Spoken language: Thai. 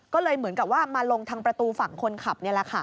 ก็เลยเหมือนกับว่ามาลงทางประตูฝั่งคนขับนี่แหละค่ะ